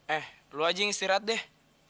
eh lu aja yang istirahat deh